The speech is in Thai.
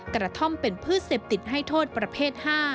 กระท่อมเป็นพืชเสพติดให้โทษประเภท๕